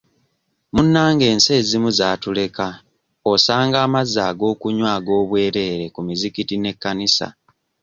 Munnange ensi ezimu zaatuleka osanga amazzi ag'okunywa ag'obwerere ku mizikiti n'ekkanisa.